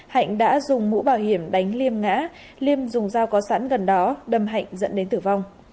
hạnh đã dùng mũ bảo hiểm đánh liêm ngã liêm dùng dao có sẵn gần đó đâm hạnh dẫn đến tử vong